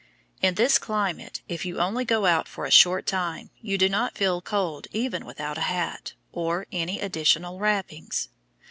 In this climate, if you only go out for a short time you do not feel cold even without a hat, or any additional wrappings.